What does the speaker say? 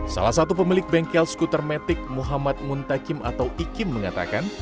salah satu pemilik bengkel skuter metik muhammad muntakim atau ikim mengatakan